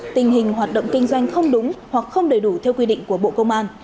tình hình hoạt động kinh doanh không đúng hoặc không đầy đủ theo quy định của bộ công an